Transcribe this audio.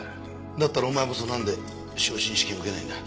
だったらお前こそなんで昇進試験受けないんだ？